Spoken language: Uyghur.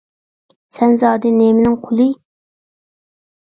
سەن زادى نېمىنىڭ قۇلى؟